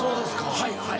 はいはい。